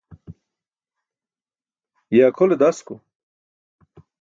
ye akʰole dasko?